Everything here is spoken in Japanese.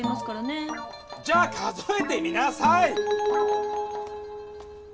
じゃあ数えてみなさい！